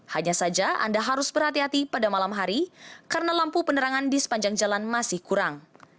hanya saja anda harus berhati hati pada malam hari karena lampu penerangan di sepanjang jalan masih kurang